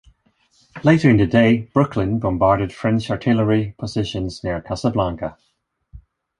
Later in the day, "Brooklyn" bombarded French artillery positions near Casablanca.